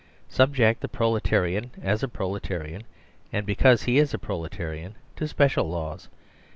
Subject the prole tarian, as a proletarian, and because he is a proletarian, to special laws.